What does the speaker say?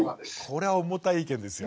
これは重たい意見ですよ。